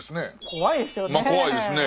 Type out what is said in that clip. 怖いですよね。